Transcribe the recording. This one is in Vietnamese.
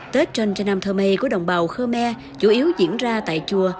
tết chân trần nam thơ mê của đồng bào khmer chủ yếu diễn ra tại chùa